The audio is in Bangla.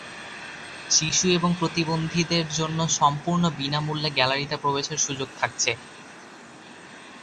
শিশু এবং প্রতিবন্ধীদের জন্য সম্পূর্ণ বিনা মূল্যে গ্যালারিতে প্রবেশের সুযোগ থাকছে।